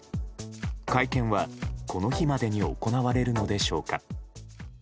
会見は、この日までに行われるのでしょうか。